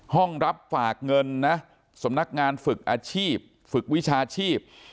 ห้องรับฝากเงินนะสำนักงานฝึกอาชีพฝึกวิชาชีพ